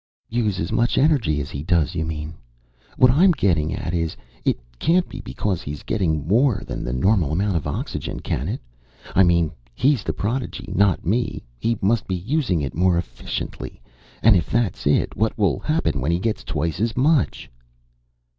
"Use as much energy as he does, you mean. What I'm getting at is, it can't be because he's getting more than the normal amount of oxygen, can it? I mean he's the prodigy, not me. He must be using it more efficiently. And if that's it, what will happen when he gets twice as much?"